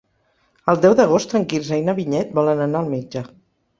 El deu d'agost en Quirze i na Vinyet volen anar al metge.